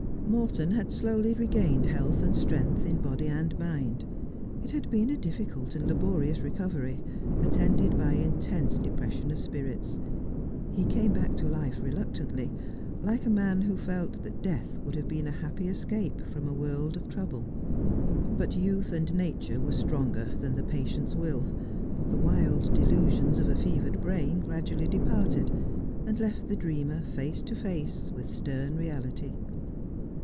Morton had slowly regained health and strength in body and mind. It had been a difficult and laborious recovery, attended by intense depression of spirits. He came back to life reluc tantly, like a man who felt that death would have been a happy escape from a world of trouble. But youth and nature were stronger than the patient's will. The wild delusions of a fevered brain gradually departed, and left the dreamer face to face with stern reality.